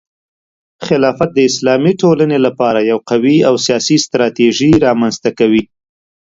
خلافت د اسلامي ټولنې لپاره یو قوي او سیاسي ستراتیژي رامنځته کوي.